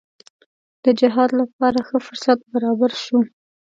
د جهاد لپاره ښه فرصت برابر شو.